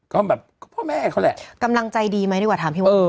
ก็แบบนี้พ่อแม่เขาหรือแหละ